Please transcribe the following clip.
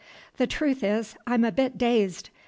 The truth is, I'm a bit dazed.